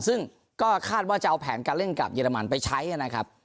ซึ่งก็คาดว่าจะเอาแผนการเล่นกับเยอรมันไปใช้นะครับ